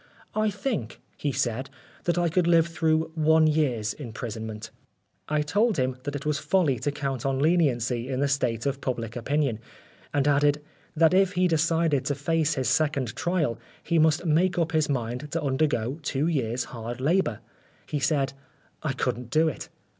" I think," he said, "that I could live through one year's im prisonment." 172 Oscar Wilde I told him that it was folly to count on leniency in the state of public opinion ; and added, that if he decided to face his second trial, he must make up his mind to undergo two years' hard labour. He said, " I couldn't do it.